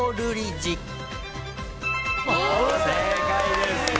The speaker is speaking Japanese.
正解です。